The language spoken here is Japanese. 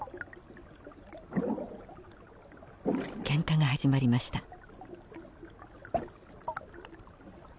けんかが始まりました。